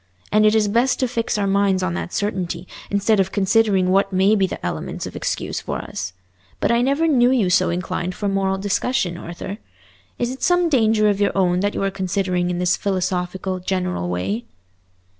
And it is best to fix our minds on that certainty, instead of considering what may be the elements of excuse for us. But I never knew you so inclined for moral discussion, Arthur? Is it some danger of your own that you are considering in this philosophical, general way?"